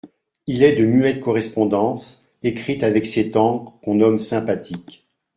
Il est de muettes correspondances, écrites avec cette encre qu'on nomme sympathique.